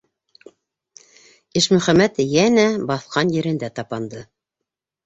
Ишмөхәмәт йәнә баҫҡан ерендә тапанды: